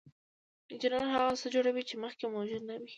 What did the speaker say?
انجینر هغه څه جوړوي چې مخکې موجود نه وو.